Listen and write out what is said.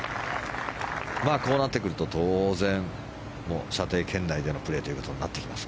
こうなってくると当然射程圏内でのプレーということになってきます。